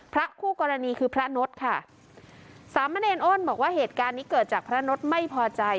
พระคู่กรณีคือพระนฤทธิ์ค่ะสามะเนรอ้อนบอกว่าเหตุการณ์นี้เกิดจากพระนฤทธิ์ไม่พอใจ